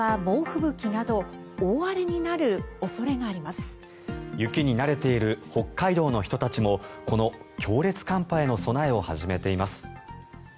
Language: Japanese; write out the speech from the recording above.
雪に慣れている北海道の人たちもこの強烈寒波への備えを始めています。